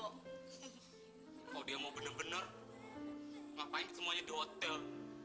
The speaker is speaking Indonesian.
kalau dia mau bener bener ngapain semuanya di hotel